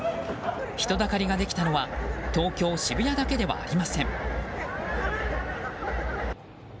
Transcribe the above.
人だかりができたのは東京・渋谷だけではありません。